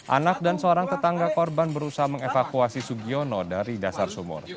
anak dan seorang tetangga korban berusaha mengevakuasi sugiono dari dasar sumur